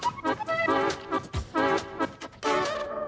ปัดหนึ่ง